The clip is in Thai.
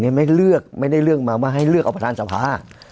ไม่ได้เลือกมามาให้เลือกเอาประทานสภา